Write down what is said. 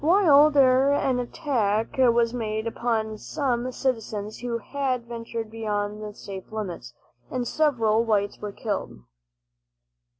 While there an attack was made upon some citizens who had ventured beyond the safe limits, and several whites were killed.